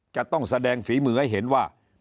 จะต้องแสดงฝีมือให้เห็นว่า